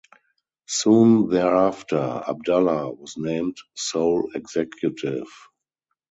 Soon thereafter, Abdallah was named sole executive.